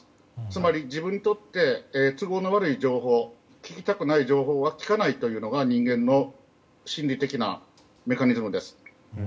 つまり自分にとって都合の悪い情報聞きたくない情報は聞かないというのが人間の心理的なメカニズムです。